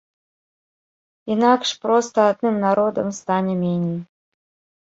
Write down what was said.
Інакш проста адным народам стане меней.